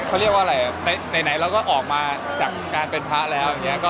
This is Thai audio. เขาเรียกว่าอะไรไหนเราก็ออกมาจากการเป็นพระแล้วอย่างนี้